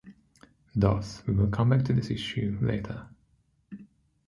Thus, we will come back to this issue later.